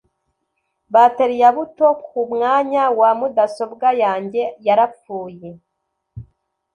bateri ya buto kumwanya wa mudasobwa yanjye yarapfuye.